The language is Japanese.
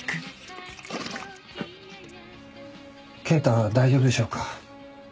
健太は大丈夫でしょうか。